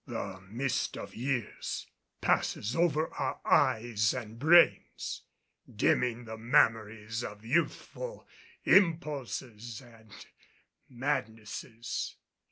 The mist of years passes over our eyes and brains, dimming the memories of youthful impulses and madnesses.